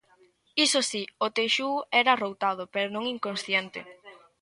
Iso si, o Teixugo era arroutado pero non inconsciente.